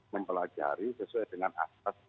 mempelajari sesuai dengan asas